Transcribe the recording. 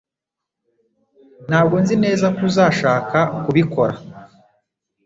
Ntabwo nzi neza ko uzashaka kubikora.